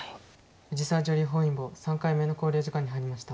藤沢女流本因坊３回目の考慮時間に入りました。